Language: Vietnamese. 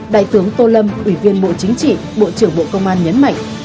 đại tướng tô lâm ủy viên bộ chính trị bộ trưởng bộ công an nhấn mạnh